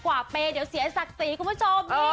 ชอเปเดี๋ยวเสียศักดิ์สิทธิ์คุณผู้ชม